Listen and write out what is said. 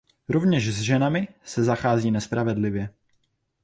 Rovněž s ženami se zachází nespravedlivě.